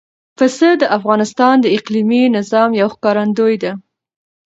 پسه د افغانستان د اقلیمي نظام یو ښکارندوی ده.